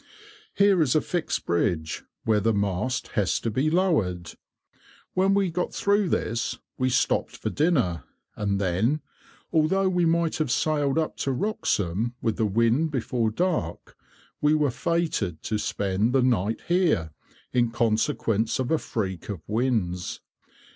Here is a fixed bridge, where the mast has to be lowered. When we got through this we stopped for dinner, and then, although we might have sailed up to Wroxham with the wind before dark, we were fated to spend the night here, in consequence of a freak of Wynne's.